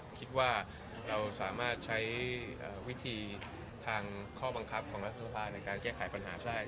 คิดว่าเราสามารถใช้วิธีทางข้อบังคับของรัฐสภาในการแก้ไขปัญหาได้